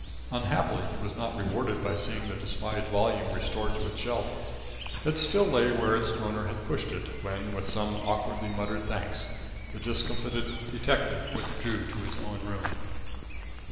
Unhappily he was not rewarded by seeing the despised volume restored to its shelf. It still lay where its owner had pushed it, when, with some awkwardly muttered thanks, the discomfited detective withdrew to his own room.